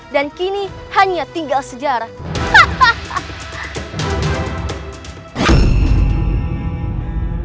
dan kini hanya tinggal sejarah